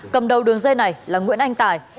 cầm đầu đường dây này là nguyễn anh tài